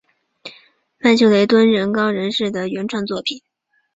曼秀雷敦软膏仍是由乐敦制药旗下曼秀雷敦公司生产的为原创产品。